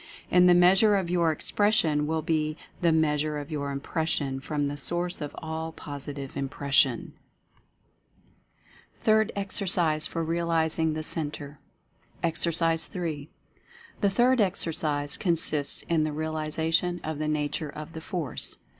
In the measure of your Expression will be the meas ure of your Impression from the Source of All Posi tive Impression. 184 Mental Fascination THIRD EXERCISE FOR REALIZING THE CENTRE. Exercise III. The third exercise consists in the realization of the Nature of the Force.